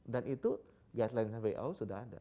dan itu guideline who sudah ada